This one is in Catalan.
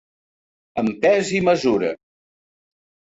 Amb pes i mesura.